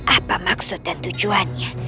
apa maksud dan tujuannya